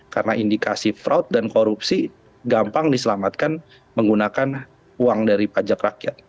karena indikasi fraud dan korupsi gampang diselamatkan menggunakan uang dari pajak rakyat